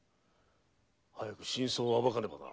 早く真相を暴かねばな。